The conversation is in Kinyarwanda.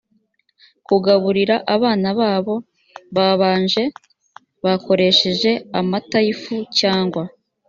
kugaburira abana babo babanje bakoresheje amata yifu cyangwa